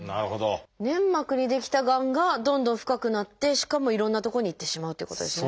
粘膜に出来たがんがどんどん深くなってしかもいろんなとこに行ってしまうということですね。